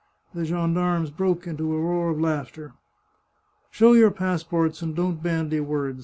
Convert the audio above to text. The gendarmes burst into a roar of laughter. " Show your passports, and don't bandy words !